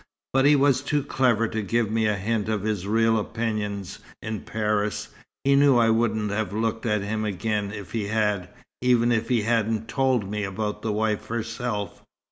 But he was too clever to give me a hint of his real opinions in Paris. He knew I wouldn't have looked at him again, if he had even if he hadn't told me about the wife herself.